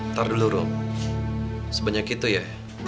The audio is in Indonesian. ntar dulu dong sebanyak itu ya